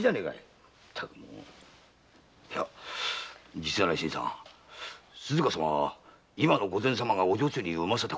実は新さん鈴加様は今の御前様がお女中に産ませた子なんですよ。